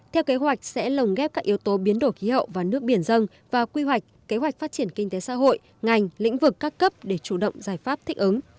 theo kế hoạch sẽ lồng ghép các yếu tố biến đổi khí hậu và nước biển dân vào quy hoạch kế hoạch phát triển kinh tế xã hội ngành lĩnh vực các cấp để chủ động giải pháp thích ứng